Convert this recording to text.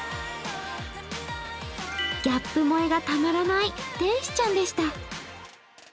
ギャップ萌えがたまらない、天使ちゃんでした。